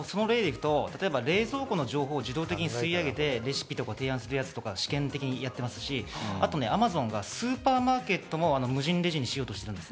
冷蔵庫の情報を自動的に吸い上げてレシピとかを提案するやつとか試験的にやってますし、あとＡｍａｚｏｎがスーパーマーケットも無人レジにしようとしている。